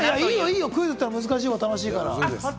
クイズっていうのは難しいほうが楽しいから。